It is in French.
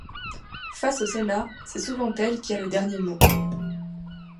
Face au Sénat, c'est souvent elle qui a le dernier mot.